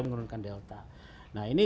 menurunkan delta nah ini